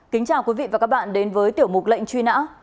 kính chào quý vị và các bạn đến với tiểu mục lệnh truy nã